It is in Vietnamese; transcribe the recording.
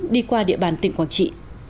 đi qua địa bàn tỉnh quảng trị